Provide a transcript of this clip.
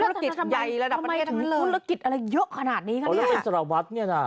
ธุรกิจใหญ่ระดับประเทศนั้นเลยแล้วทำไมทั้งนี้ธุรกิจอะไรเยอะขนาดนี้กันเนี่ยแล้วเป็นจรวรรษเนี่ยนะ